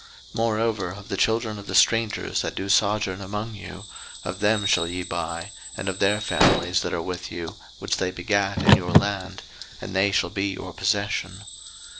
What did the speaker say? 03:025:045 Moreover of the children of the strangers that do sojourn among you, of them shall ye buy, and of their families that are with you, which they begat in your land: and they shall be your possession.